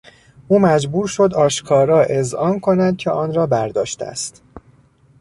او مجبور شد آشکارا اذعان کند که آنرا برداشته است.